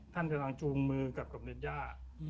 ท่านกลางจูงมือกับส่งเด็ดย่า